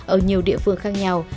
ở nhiều địa phương khác nhau